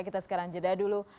kita sekarang jeda dulu